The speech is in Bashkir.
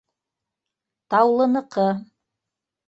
Таулыныҡы...